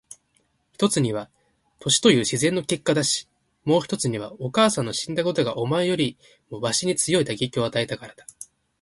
一つには年という自然の結果だし、もう一つにはお母さんの死んだことがお前よりもわしに強い打撃を与えたからだ。